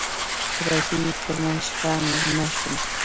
کله یې کومه شپه میلمه شم.